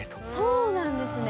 そうなんですね。